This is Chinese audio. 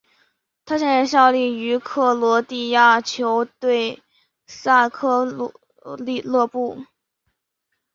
他现在效力于克罗地亚球队萨格勒布。